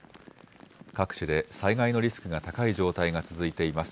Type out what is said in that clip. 各地で災害のリスクが高い状態が続いています。